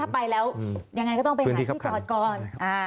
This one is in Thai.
ไปแล้วยังไงก็ต้องไปหาที่จอดก่อน